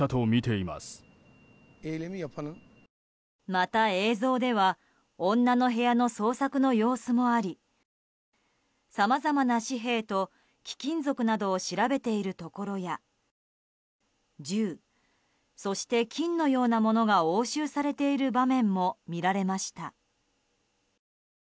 また、映像では女の部屋の捜索の様子もありさまざまな紙幣と貴金属を調べているところや銃、そして金のようなものが押収されている場面も見られました。